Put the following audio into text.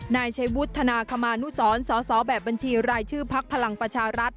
นายชายวุฒิธนาคมานุศรสบบัญชีรายชื่อภพลังประชารัฐ